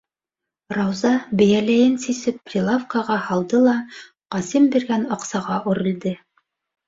Рауза бейәләйен сисеп прилавкаға һалды ла, Ҡасим биргән аҡсаға үрелде: